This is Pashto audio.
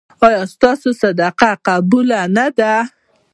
ایا ستاسو صدقه قبوله نه ده؟